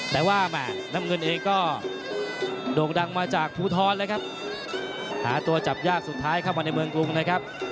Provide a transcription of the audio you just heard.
แต่ว่าแม่น้ำเงินเองก็โด่งดังมาจากภูทรเลยครับหาตัวจับยากสุดท้ายเข้ามาในเมืองกรุงนะครับ